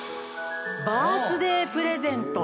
『バースデー・プレゼント』